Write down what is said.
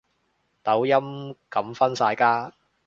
抖音噉分晒家